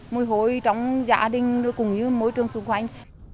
môi hôi trong gia đình cùng với môi trường xung quanh